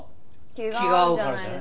気が合うからじゃない？